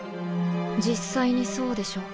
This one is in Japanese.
実際にそうでしょ？